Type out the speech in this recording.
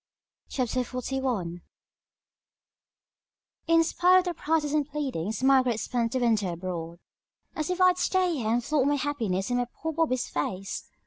CHAPTER XLI In spite of protests and pleadings Margaret spent the winter abroad. "As if I'd stay here and flaunt my happiness in poor Bobby's face!"